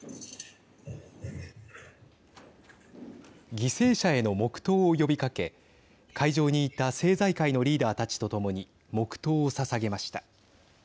犠牲者への黙とうを呼びかけ会場にいた政財界のリーダーたちと共に黙とうをささげました。